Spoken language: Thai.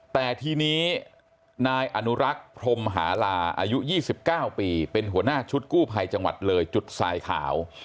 แต่ทีนี้นายอนุรักษ์พรมหาลาอายุ๒๙ปีเป็นหัวหน้าชุดกู้ภัยจังหวัดเลยจุดทรายขาว